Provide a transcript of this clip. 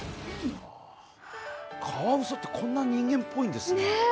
カワウソって、こんな人間っぽいんですね。